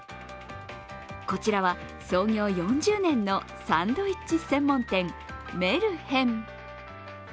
こちらは創業４０年のサンドイッチ専門店、メルヘン。